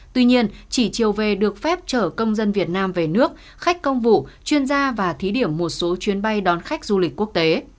tuy nhiên chỉ chiều về được phép chở công dân việt nam về nước khách công vụ chuyên gia và thí điểm một số chuyến bay đón khách du lịch quốc tế